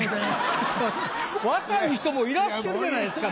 ちょっと待って若い人もいらっしゃるじゃないですか。